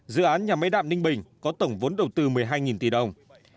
dự án nhà máy đạm ninh bình có tổng vốn đầu tư một mươi hai tỷ đồng